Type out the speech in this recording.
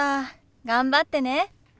頑張ってね。